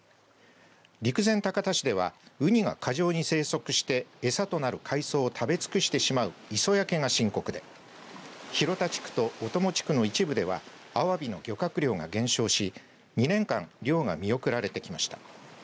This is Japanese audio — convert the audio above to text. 陸前高田市ではウニが過剰に生息して餌となる海藻を食べ尽くしてしまう磯焼けが深刻で広田地区と小友地区の一部ではアワビの漁獲量が減少し２年間漁が見送られてきました。